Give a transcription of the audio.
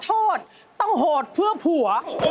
โทษต้องโหดเพื่อผัว